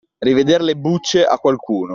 Riveder le bucce a qualcuno.